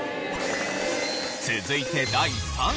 続いて第３位。